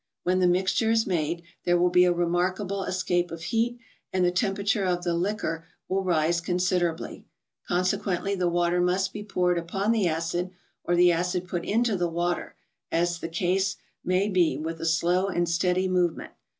When the mixture is made, there will be a remarkable escape of heat, and the temperature of the liquor will rise considerably. Consequently, the water must be poured upon'the acid, or the acid put into the water, as the case may be, with a slow and steady movement.